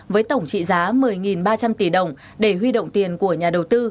với tổng trị giá một mươi ba trăm linh tỷ đồng để huy động tiền của nhà đầu tư